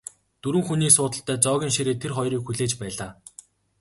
Дөрвөн хүний суудалтай зоогийн ширээ тэр хоёрыг хүлээж байлаа.